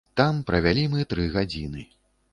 Там мы правялі тры гадзіны.